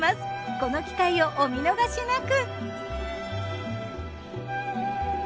この機会をお見逃しなく。